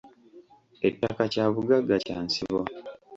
Ettaka kya bugagga kya nsibo.